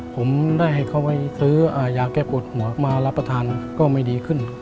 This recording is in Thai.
ผมได้ให้เขาไปซื้อยาแก้ปวดหัวมารับประทานก็ไม่ดีขึ้น